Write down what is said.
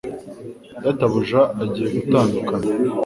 data buja agiye gutandukana